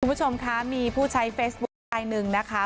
คุณผู้ชมคะมีผู้ใช้เฟซบุ๊คลายหนึ่งนะคะ